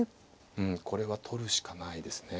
うんこれは取るしかないですね。